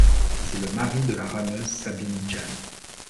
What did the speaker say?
C'est le mari de la rameuse Sabine Jahn.